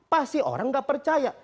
pasti orang gak percaya